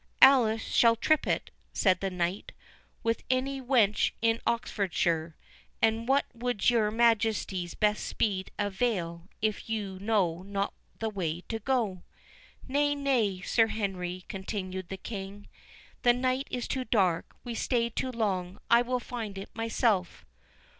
"Alice shall trip it," said the knight, "with any wench in Oxfordshire; and what would your Majesty's best speed avail, if you know not the way to go?" "Nay, nay, Sir Henry," continued the King, "the night is too dark—we stay too long—I will find it myself."